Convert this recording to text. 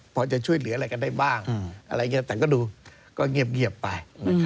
พอจะช่วยเหลือกันได้บ้างแต่ก็ดูเงียบไป